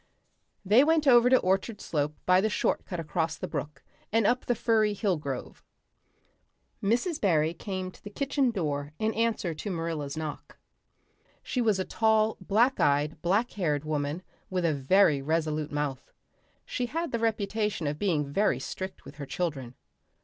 They went over to Orchard Slope by the short cut across the brook and up the firry hill grove. Mrs. Barry came to the kitchen door in answer to Marilla's knock. She was a tall black eyed, black haired woman, with a very resolute mouth. She had the reputation of being very strict with her children.